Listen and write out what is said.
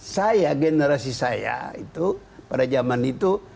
saya generasi saya itu pada zaman itu